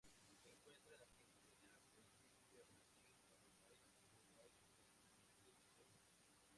Se encuentra en Argentina, Bolivia, Brasil, Paraguay, Uruguay y, posiblemente, Perú.